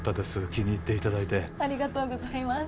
気に入っていただいてありがとうございます